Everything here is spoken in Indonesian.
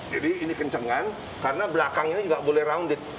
jadi ini kencangan karena belakang ini nggak boleh rounded